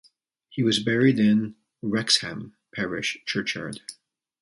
He is buried in Wrexham Parish Churchyard.